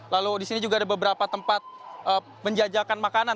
lalu disini juga ada beberapa tempat menjajakan makanan